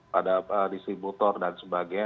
pada distributor dan sebagainya